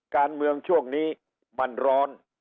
การเมืองช่วงนี้มันร้อน